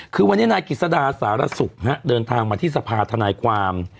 คือวันนี้นายกิจสดาสารสุขเดินทางมาที่สภาธนายความ